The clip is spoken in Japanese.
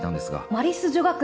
マリス女学院